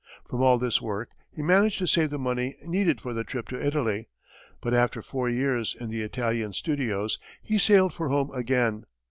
From all this work, he managed to save the money needed for the trip to Italy, but after four years in the Italian studios, he sailed for home again.